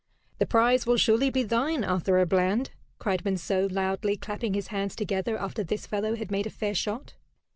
"The prize will surely be thine, Arthur à Bland," cried Monceux, loudly clapping his hands together after this fellow had made a fair shot.